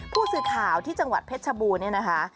ผู้สื่อข่าวที่จังหวัดเพชรชบูรณเนี่ยนะคะ